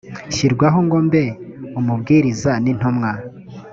nshyirwaho ngo mbe umubwiriza n intumwa